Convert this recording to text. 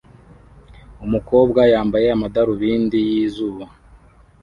umukobwa yambara amadarubindi yizuba